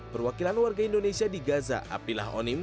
perwakilan warga indonesia di gaza abdillah onim